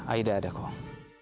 aida ada kong